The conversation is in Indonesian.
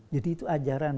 jadi itu ajaran